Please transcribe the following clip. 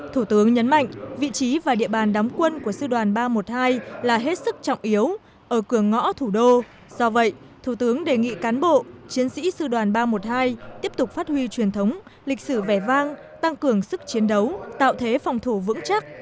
thủ tướng nhấn mạnh vị trí và địa bàn đóng quân của sư đoàn ba trăm một mươi hai là hết sức trọng yếu ở cửa ngõ thủ đô do vậy thủ tướng đề nghị cán bộ chiến sĩ sư đoàn ba trăm một mươi hai tiếp tục phát huy truyền thống lịch sử vẻ vang tăng cường sức chiến đấu tạo thế phòng thủ vững chắc